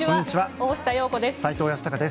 大下容子です。